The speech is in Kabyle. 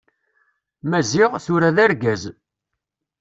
Maziɣ, tura d argaz.